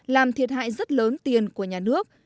làm thiệt hại rất lớn tiền của nhà nước